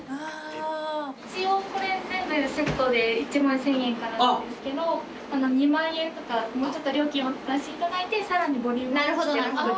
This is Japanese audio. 一応これ全部セットで１万１，０００円からなんですけど２万円とかもうちょっと料金を出していただいてさらにボリュームアップして。